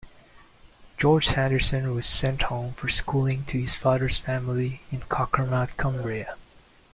George Sanderson was sent home for schooling to his father's family in Cockermouth, Cumbria.